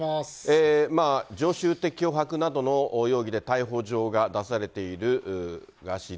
常習的脅迫などの容疑で逮捕状が出されているガーシー